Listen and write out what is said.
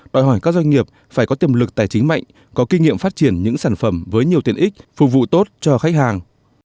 đòi hỏi các doanh nghiệp phải có tiềm lực tài chính mạnh có kinh nghiệm phát triển những sản phẩm với nhiều tiền ích phục vụ tốt cho khách hàng